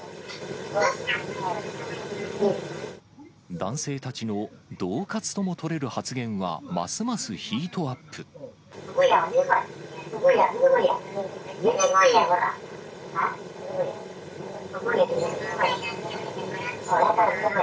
男性たちのどう喝とも取れる発言はますますヒートアップ。